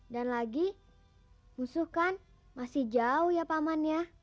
dan lagi musuh kan masih jauh ya paman ya